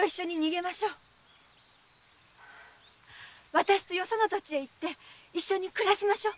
私とよその土地へ行って一緒に暮らしましょう。